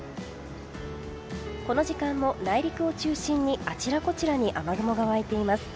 この時間も内陸を中心にあちらこちらに雨雲が湧いています。